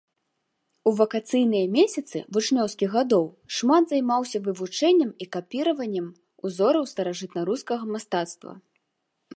У вакацыйныя месяцы вучнёўскіх гадоў шмат займаўся вывучэннем і капіраваннем узораў старажытнарускага мастацтва.